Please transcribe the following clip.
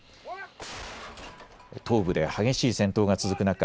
東部で激しい戦闘が続く中